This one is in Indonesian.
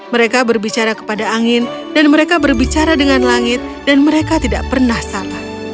mereka berbicara kepada angin dan mereka berbicara dengan langit dan mereka tidak pernah salah